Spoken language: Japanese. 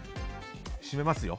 締めますよ？